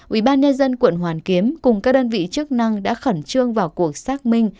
ubnd quận hoàn kiếm cùng các đơn vị chức năng đã khẩn trương vào cuộc xác minh